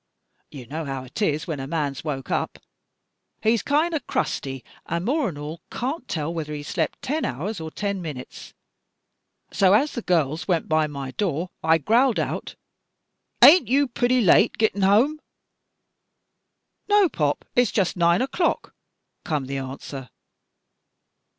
You know how 't is when a man's woke up? He's kinder crusty an* more 'an all, can't tell whether he's slept ten hours or ten minutes. So as the girls went by my door, I growled out: *An't you purty late gittin' home?' *No, pop, it's just nine o'clock,' come the answer.